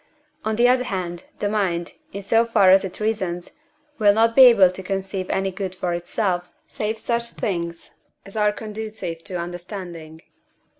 on the other hand, the mind, in so far as it reasons, will not be able to conceive any good for itself, save such things as are conducive to understanding.